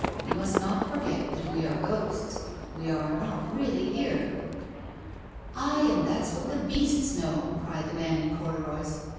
" You must not forget that we are ghosts. We are not really here." "Ay, and that's what the beasts know!" cried the man in corduroys.